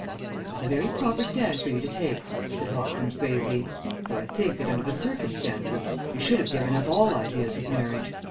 '" "That was a very proper stand for you to take," said Hopkins, gravely. "Though I think that, under the circumstances, you should have given up all ideas of marriage.